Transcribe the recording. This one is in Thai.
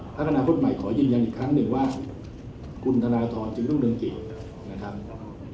ภารกนาคตใหม่ขอยืนยันอีกครั้งหนึ่งว่าคุณธนาธรรมจะไม่ต้องเริ่มกินนะครับ